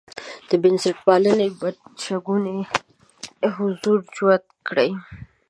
د بنسټپالنې بدشګونی حضور جوت کړي.